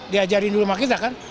diajarin dulu sama kita kan